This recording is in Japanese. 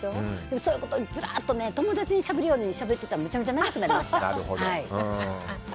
そういうことを友達にしゃべるようにしゃべってたら長くなりました。